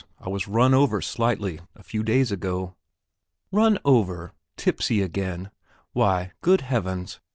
I was run over slightly, a few days ago." "Run over! Tipsy again? Why, good heavens!